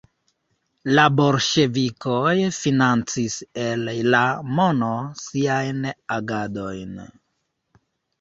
La bolŝevikoj financis el la mono siajn agadojn.